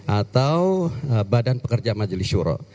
atau badan pekerja majelis syuro